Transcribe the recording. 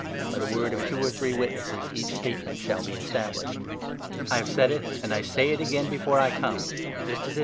' By the word i 1 of two or three witnesses each statement shall be established.' I have said it, and I say it again before I come, just as if I 2 1 Deut. i<». 15. II.